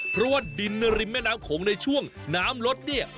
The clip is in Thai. เพราะว่าดินริมแม่น้ำโขงในช่วงน้ำลดเนี่ย